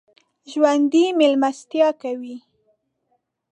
ژوندي مېلمستیا کوي